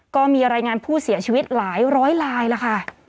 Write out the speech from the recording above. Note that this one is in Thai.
ก็มีรายงานผู้เสียชีวิตหลายร้อยลายแล้วค่ะ